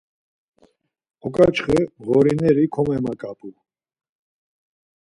Oǩaçxe mğorineri komemaǩap̌u.